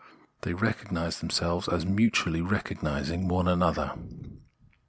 They recognise themselves as mutually recognising one another.